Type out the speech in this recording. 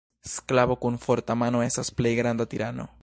Sklavo kun forta mano estas plej granda tirano.